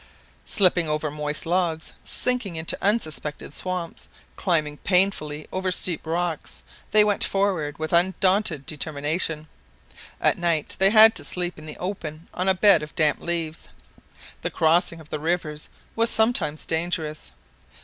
Slipping over moist logs, sinking into unsuspected swamps, climbing painfully over steep rocks, they went forward with undaunted determination. At night they had to sleep in the open on a bed of damp leaves. The crossing of rivers was sometimes dangerous.